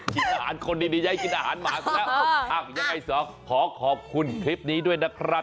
คิดอาหารคนดียังไงกินอาหารหมาซักอย่างไรสองขอขอบคุณคลิปนี้ด้วยนะครับ